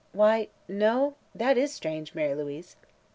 "Why no; that is strange, Mary Louise."